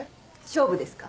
勝負ですか？